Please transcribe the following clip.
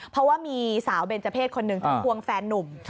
เพราะว่ามีสาวเบนเจอร์เพศคนหนึ่งควงแฟนนุ่ม